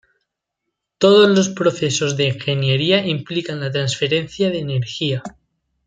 Todos los procesos de ingeniería implican la transferencia de energía.